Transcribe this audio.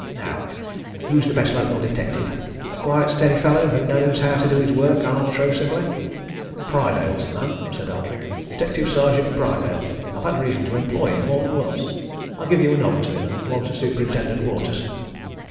Now, who is the best local detective a quiet, steady fellow who knows how to do his work unobtrusively?" "Prydale's the man!" said Eldrick "Detective Sergeant Prydale I've had reason to employ him, more than once. I'll give you a note to him, and one to Superintendent Waterson."